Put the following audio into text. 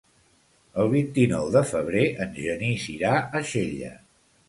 El vint-i-nou de febrer en Genís irà a Xella.